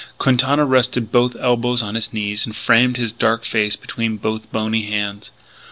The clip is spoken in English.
Quintana rested both elbows on his knees and framed his dark face between both bony hands.